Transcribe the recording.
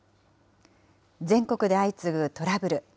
全国で相次ぐトラブル。